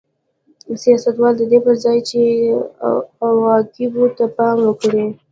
سیاستوالو د دې پر ځای چې عواقبو ته پام وکړي